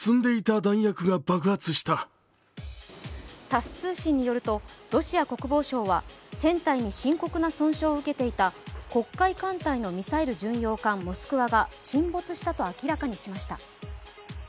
タス通信によるとロシア国防省は船体に深刻な損傷を受けていた黒海艦隊のミサイル巡洋艦「モスクワ」が沈没したと明らかにしました。